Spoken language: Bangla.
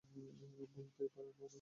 ভুলতেই পারব না।